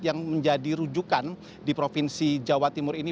yang menjadi rujukan di provinsi jawa timur ini